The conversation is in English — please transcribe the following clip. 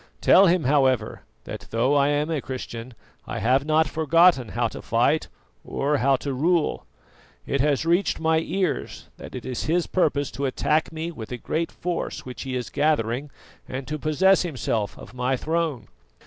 Tell him, however, that though I am a Christian I have not forgotten how to fight or how to rule. It has reached my ears that it is his purpose to attack me with a great force which he is gathering, and to possess himself of my throne.